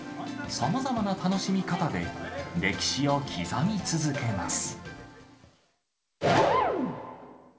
さまざまな楽しみ方で、歴史を刻み続けます。